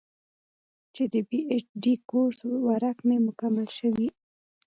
چې د پي اېچ ډي کورس ورک مې مکمل شوے